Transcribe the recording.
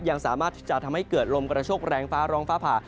ยังสามารถที่จะทำให้เกิดลมกระโชคแรงฟ้าร้องฟ้าผ่า